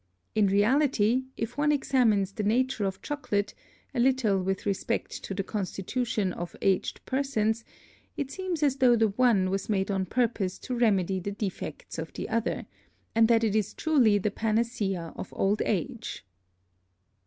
In reality, if one examines the Nature of Chocolate, a little with respect to the Constitution of aged Persons, it seems as though the one was made on purpose to remedy the Defects of the other, and that it is truly the Panacea of old Age.